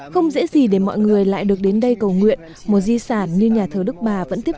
không dễ gì để mọi người lại được đến đây cầu nguyện một di sản như nhà thờ đức bà vẫn tiếp